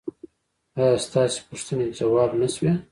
ایا ستاسو پوښتنې ځواب نه شوې؟